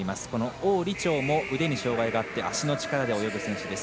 王李超も腕に障がいがあって足で泳ぐ選手です。